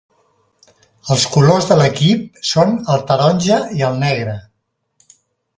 Els colors de l'equip són el taronja i el negre.